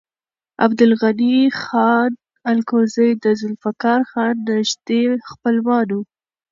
عبدالغني خان الکوزی د ذوالفقار خان نږدې خپلوان و.